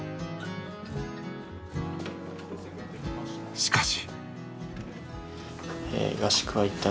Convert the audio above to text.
しかし。